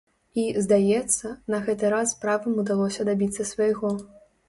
І, здаецца, на гэты раз правым удалося дабіцца свайго.